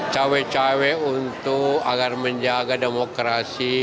cawe cawe untuk agar menjaga demokrasi